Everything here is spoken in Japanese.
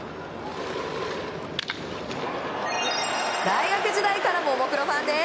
大学時代からももクロファンです。